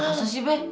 masa sih be